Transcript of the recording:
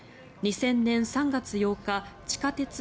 ２０００年３月８日地下鉄